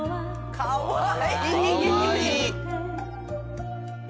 かわいい！